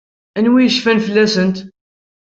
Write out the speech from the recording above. Anwa i yecfan fell-asent?